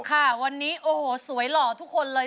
ค่ะวันนี้โอ้โหสวยหล่อทุกคนเลย